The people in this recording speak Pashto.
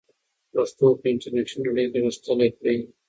پښتو په انټرنیټي نړۍ کې غښتلې کړئ.